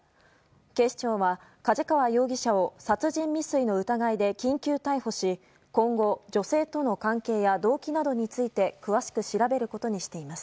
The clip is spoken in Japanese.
警視庁は梶川容疑者を殺人未遂の疑いで緊急逮捕し今後、女性との関係や動機などについて詳しく調べることにしています。